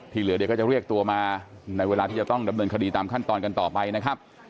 เหลือเดี๋ยวก็จะเรียกตัวมาในเวลาที่จะต้องดำเนินคดีตามขั้นตอนกันต่อไปนะครับ